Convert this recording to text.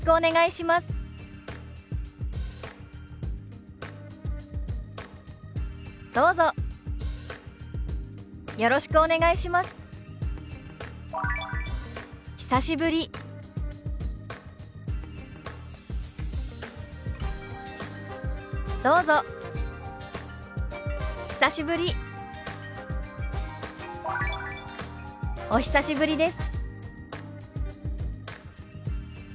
「お久しぶりです」。